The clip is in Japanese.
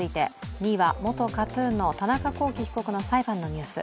２位は元ＫＡＴ−ＴＵＮの田中聖被告の裁判のニュース。